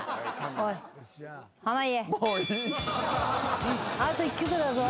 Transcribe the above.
おい濱家。